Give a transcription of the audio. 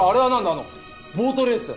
あのボートレース。